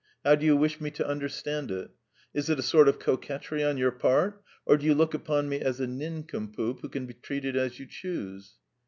How do you wish me to understand it? Is it a sort of coquetry on your part, or do you look upon me as a nincompoop who can be treated as you choose."